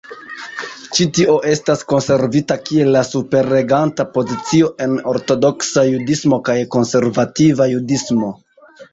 Ĉi tio estas konservita kiel la superreganta pozicio en ortodoksa judismo kaj konservativa judismo.